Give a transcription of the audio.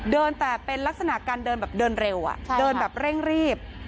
เดินแต่เป็นลักษณะการเดินแบบเดินเร็วเดินแบบเร่งรีบ